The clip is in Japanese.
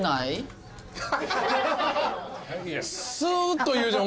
スーッと言うじゃん